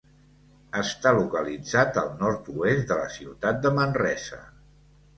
Està localitzat al nord-oest de la ciutat de Manresa.